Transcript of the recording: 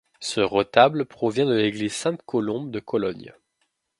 Ce retable provient de l'église Sainte-Colombe de Cologne.